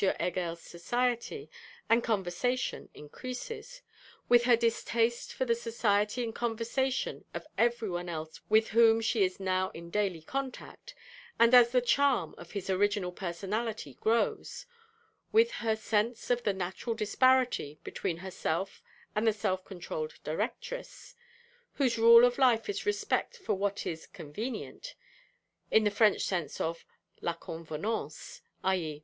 Heger's society and conversation increases, with her distaste for the society and conversation of every one else with whom she is now in daily contact, and as the charm of his original personality grows, with her sense of the natural disparity between herself and the self controlled Directress, whose rule of life is respect for what is convenient, in the French sense of la convenance (_i.e.